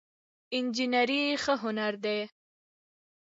انجينري ښه هنر دی